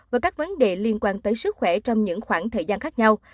và các vấn đề liên quan tới sức khỏe trong những khoảng thời gian khác nhau